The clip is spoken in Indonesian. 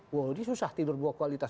jadi susah tidur berkualitas